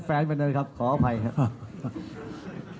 แฟนไปเลยครับขออภัยครับ